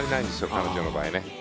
彼女の場合。